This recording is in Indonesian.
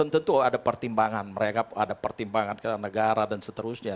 tentu ada pertimbangan mereka ada pertimbangan negara dan seterusnya